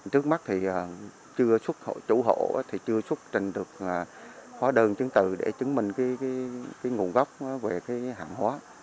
trước mắt thì chưa xuất chủ hộ thì chưa xuất trình được hóa đơn chứng từ để chứng minh cái nguồn gốc về cái hàng hóa